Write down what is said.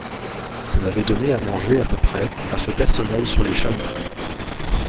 On avait donné à manger à peu près à ce personnel sur les chalutiers.